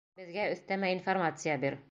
Беҙгә өҫтәмә информация бир.